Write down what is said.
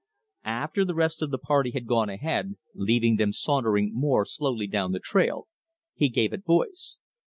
After the rest of the party had gone ahead, leaving them sauntering more slowly down the trail, he gave it voice.